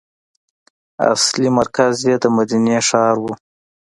اصلي مرکز یې د مدینې ښار و.